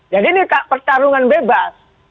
jadi ini pertarungan bebas